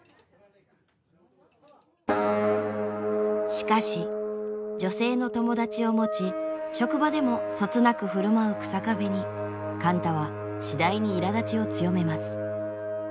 しかし女性の友達を持ち職場でもそつなく振る舞う日下部に貫多は次第にいらだちを強めます。